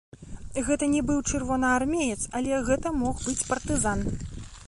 Гэта не быў чырвонаармеец, але гэта мог быць партызан.